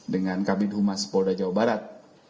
dengan kabinet humas polda jawa barat